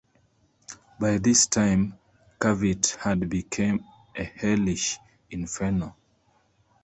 By this time Cavite had become a hellish inferno.